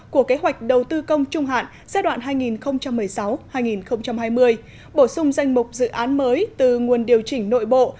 của kế hoạch đầu tư công trung hạn giai đoạn hai nghìn một mươi sáu hai nghìn hai mươi bổ sung danh mục dự án mới từ nguồn điều chỉnh nội bộ